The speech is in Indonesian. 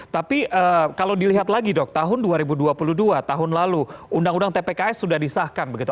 tapi kalau dilihat lagi dok tahun dua ribu dua puluh dua tahun lalu undang undang tpks sudah disahkan begitu